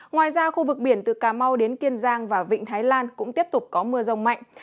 ngoài ra khu vực biển từ cà mau đến kiên giang và vịnh thái lan cũng tiếp tục có mưa rông mạnh